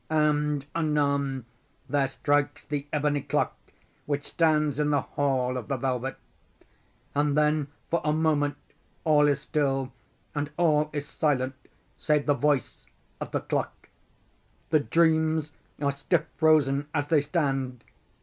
And, anon, there strikes the ebony clock which stands in the hall of the velvet. And then, for a moment, all is still, and all is silent save the voice of the clock. The dreams are stiff frozen as they stand.